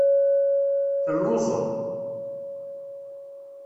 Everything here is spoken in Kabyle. Telluẓeḍ.